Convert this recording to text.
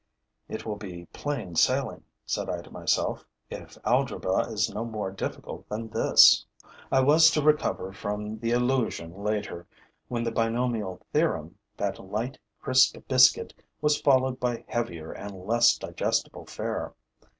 'It will be plain sailing,' said I to myself, 'if algebra is no more difficult than this.' I was to recover from the illusion later, when the binomial theorem, that light, crisp biscuit, was followed by heavier and less digestible fare.